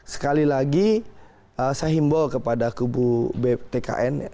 sekali lagi saya himbaw kepada kubu tkn